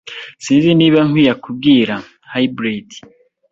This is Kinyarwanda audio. Sinzi niba nkwiye kubwira . (Hybrid)